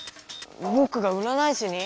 ぼくがうらない師に？